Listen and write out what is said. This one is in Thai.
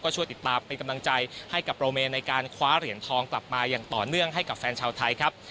ช่วยติดตามเป็นกำลังใจให้กับโรเมนในการคว้าเหรียญทองกลับมาอย่างต่อเนื่องให้กับแฟนชาวไทยครับ